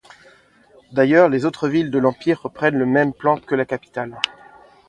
D'ailleurs, les autres villes de l'empire reprennent le même plan que la capitale.